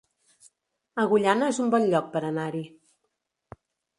Agullana es un bon lloc per anar-hi